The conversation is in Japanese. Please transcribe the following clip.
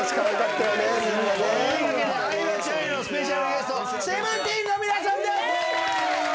というわけで相葉ちゃんへのスペシャルゲストＳＥＶＥＮＴＥＥＮの皆さんです。